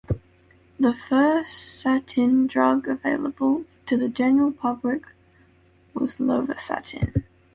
The first statin drug available to the general public was lovastatin.